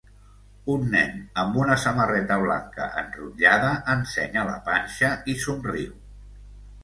Un nen amb una samarreta blanca enrotllada ensenya la panxa i somriu.